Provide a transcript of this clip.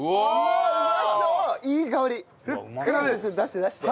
ちょっと出して出して。